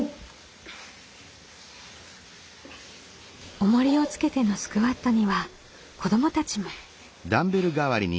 おもりをつけてのスクワットには子どもたちも。